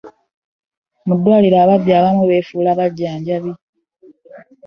Mu ddwaliro ababbi abamu befula bajjanjabi.